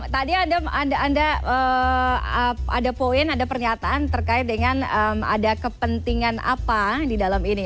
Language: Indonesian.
tadi anda ada poin ada pernyataan terkait dengan ada kepentingan apa di dalam ini